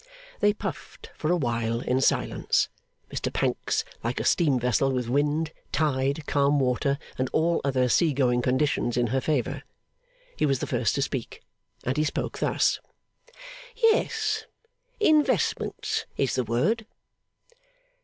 They puffed for a while in silence, Mr Pancks like a steam vessel with wind, tide, calm water, and all other sea going conditions in her favour. He was the first to speak, and he spoke thus: 'Yes. Investments is the word.